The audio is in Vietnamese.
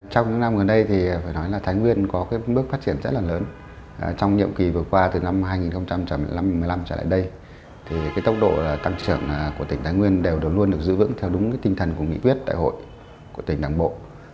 trong những năm gần đây thái nguyên có bước phát triển rất lớn trong nhiệm kỳ vừa qua từ năm hai nghìn một mươi năm trở lại đây tốc độ tăng trưởng của tỉnh thái nguyên đều được giữ vững theo đúng tinh thần của nghị quyết đại hội của tỉnh đảng bộ